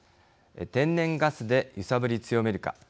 天然ガスで揺さぶり強めるか。